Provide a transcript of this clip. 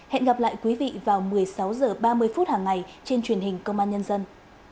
hẹn gặp lại quý vị vào một mươi sáu h ba mươi phút hàng ngày trên truyền hình công an nhân dân